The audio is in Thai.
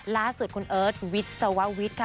ล่าสุดคุณเอิร์ทวิศววิทย์ค่ะ